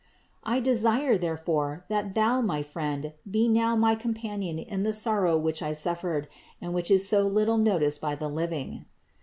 46. I desire, therefore, that thou, my friend, be now my companion in the sorrow which I suffered and which 52 CITY OF GOD is so little noticed by the living.